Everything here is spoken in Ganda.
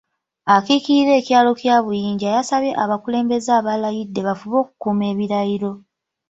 Akiikirira ekyalo kya Buyinja yasabye abakulembeze abalayidde bafube okukuuma ebirayiro.